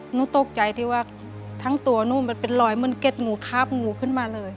หนูตกใจที่ว่าทั้งตัวหนูมันเป็นรอยเหมือนเก็ดงูคาบงูขึ้นมาเลย